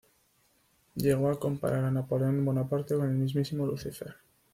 Llegó a comparar a Napoleón Bonaparte con el mismísimo Lucifer.